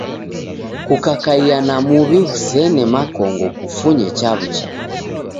Kukakaia na muw'i ghusene makongo kufunye chaw'ucha.